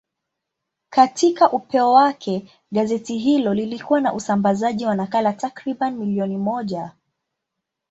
Katika upeo wake, gazeti hilo lilikuwa na usambazaji wa nakala takriban milioni moja.